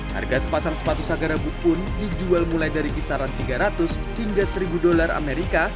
harga sepasang sepatu sagarabut pun dijual mulai dari kisaran tiga ratus hingga seribu dolar amerika